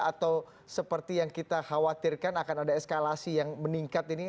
atau seperti yang kita khawatirkan akan ada eskalasi yang meningkat ini